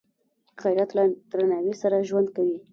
غیرت له درناوي سره ژوند کوي